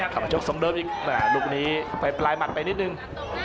ขับมาโชคส่องเดิมอีกอ่าลูกนี้ไปปลายหมัดไปนิดหนึ่ง